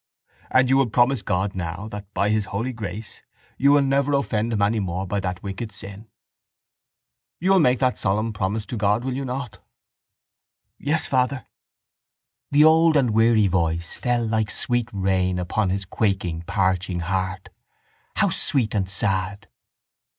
And you will promise God now that by His holy grace you will never offend Him any more by that wicked sin. You will make that solemn promise to God, will you not? —Yes, father. The old and weary voice fell like sweet rain upon his quaking parching heart. How sweet and sad!